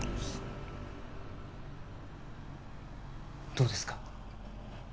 どうですか？